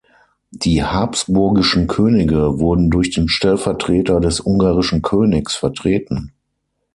Die habsburgischen Könige wurden durch den Stellvertreter des ungarischen Königs vertreten.